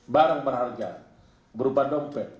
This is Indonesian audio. barang berharga berupa dompet